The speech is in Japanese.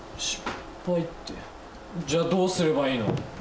失敗ってじゃあどうすればいいの？